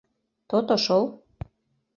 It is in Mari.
То-то шол...